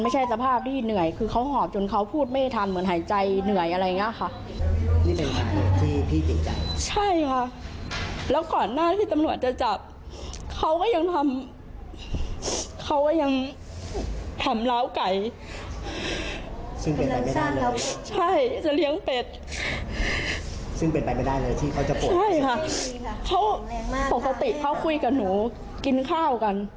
ใช่ค่ะเพราะปกติเขาคุยกับหนูกินข้าวกัน